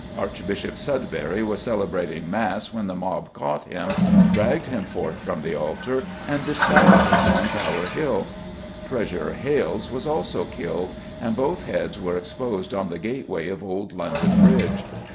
Archbishop Sudbury was celebrating Mass when the mob caught him, dragged him forth from the altar, and despatched him on Tower Hill. Treasurer Hales was also killed, and both heads were exposed on the gateway of old London Bridge.